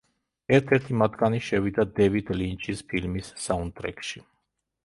ერთ-ერთი მათგანი შევიდა დევიდ ლინჩის ფილმის საუნდტრეკში.